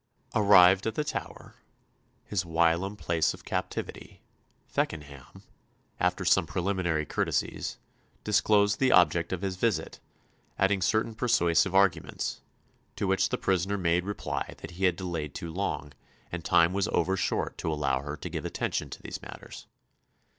Arrived at the Tower his whilom place of captivity Feckenham, after some preliminary courtesies, disclosed the object of his visit, adding certain persuasive arguments, to which the prisoner made reply that he had delayed too long, and time was over short to allow her to give attention to these matters.